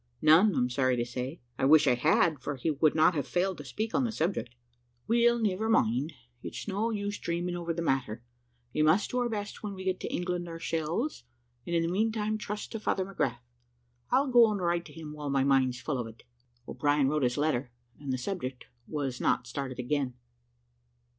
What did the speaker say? "None, I am sorry to say. I wish I had, for he would not have failed to speak on the subject." "Well, never mind, it's no use dreaming over the matter; we must do our best when we get to England ourselves, and in the meantime trust to Father McGrath. I'll go and write to him while my mind's full of it." O'Brien wrote his letter, and the subject was not started again.